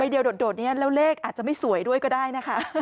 เดี๋ยวโดดนี้แล้วเลขอาจจะไม่สวยด้วยก็ได้นะคะ